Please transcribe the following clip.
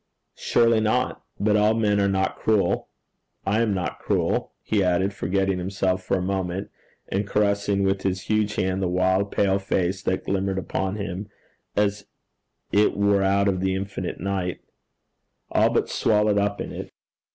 'Surely not. But all men are not cruel. I am not cruel,' he added, forgetting himself for a moment, and caressing with his huge hand the wild pale face that glimmered upon him as it were out of the infinite night all but swallowed up in it.